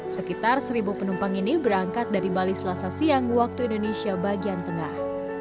sekitar seribu penumpang ini berangkat dari bali selasa siang waktu indonesia bagian tengah